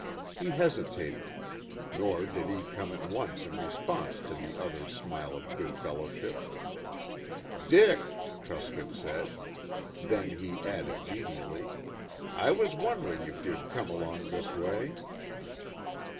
He hesitated, nor did he come at once in response to the other's smile of good fellowship. "Dick!" Truscott said. Then he added genially, "I was wondering if you'd come along this way."